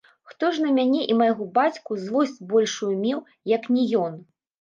Хто ж на мяне і майго бацьку злосць большую меў, як не ён!